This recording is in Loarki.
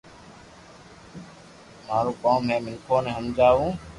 مارو ڪوم ھي مينکون ني ھمجاو